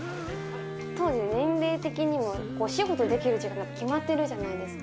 当時、年齢的にもお仕事できる時間決まってるじゃないですか。